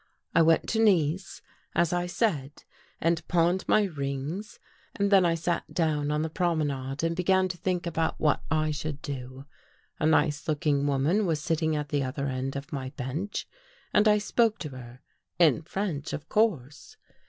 I went to Nice, as I said, and pawned my rings and then I sat down on the promenade and began to think about what I should do. A nice looking woman was sitting at the other end of my bench and I spoke to her, in French, of course.